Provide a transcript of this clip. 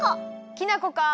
きな粉か。